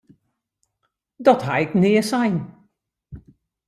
Dat ha ik nea sein!